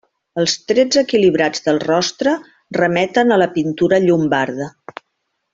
Els trets equilibrats del rostre remeten a la pintura llombarda.